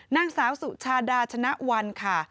นางสาวสุชาดาชนะวันค่ะ